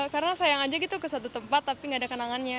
karena sayang aja gitu ke satu tempat tapi nggak ada kenangannya